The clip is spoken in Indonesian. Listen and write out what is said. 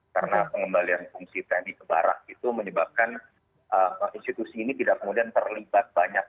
karena pengembalian fungsi tni ke barat itu menyebabkan institusi ini tidak kemudian terlibat banyak